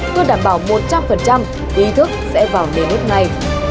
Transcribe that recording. tôi đảm bảo một trăm linh ý thức sẽ vào nền nước này